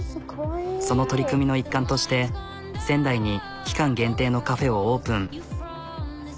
その取り組みの一環として仙台に期間限定のカフェをオープン。